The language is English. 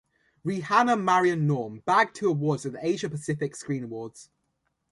Rehana Maryam Noor bagged two awards at Asia Pacific Screen Awards.